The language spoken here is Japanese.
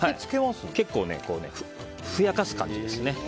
結構ふやかす感じですね。